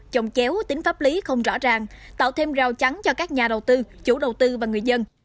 chồng chéo tính pháp lý không rõ ràng tạo thêm rào chắn cho các nhà đầu tư chủ đầu tư và người dân